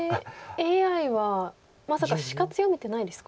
ＡＩはまさか死活読めてないですか？